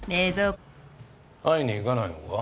会いに行かないのか？